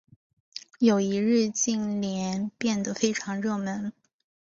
友谊日近年来变得非常热门。